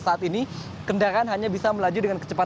saat ini kendaraan hanya bisa melaju dengan kecepatan